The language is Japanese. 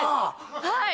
はい。